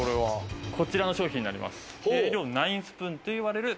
こちらの商品になります。